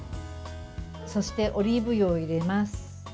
そして、オリーブ油を入れます。